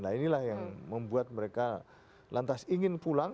nah inilah yang membuat mereka lantas ingin pulang